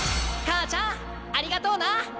母ちゃんありがとうな！